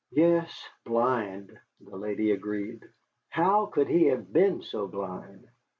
"Yes, blind," the lady agreed. "How could he have been so blind?